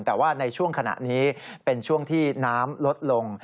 แต่ว่าในช่วงขณะนี้เป็นช่วงที่น้ำลดลง